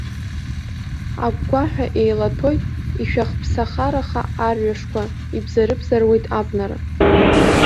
Агәгәаҳәа еилаҭәоит ишәахԥсараха арҩашқәа, ибзарыбзаруеит абнара.